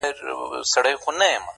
دا ستا په ياد كي بابولاله وايم_